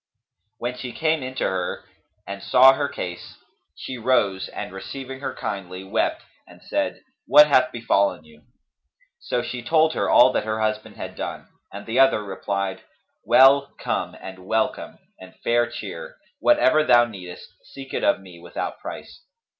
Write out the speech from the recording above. When she came in to her and she saw her case, she rose and receiving her kindly, wept and said, "What hath befallen you?" So she told her all that her husband had done, and the other replied, "Well come and welcome and fair cheer!; whatever thou needest, Seek it of me, without price."